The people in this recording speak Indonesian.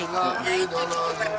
mungkin ini permintaan